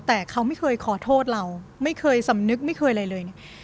แต่เขาไม่เคยขอโทษเราไม่เคยสำนึกไม่เคยอะไรเลยเนี่ย